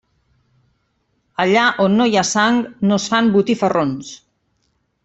Allà on no hi ha sang no es fan botifarrons.